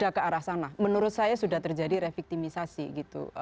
ya ke arah sana menurut saya sudah terjadi reviktimisasi gitu